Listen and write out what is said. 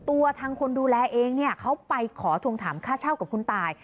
ตัวทางคนดูแลเองเนี่ยเขาไปขอทวงถามค่าเช่ากับคุณตาย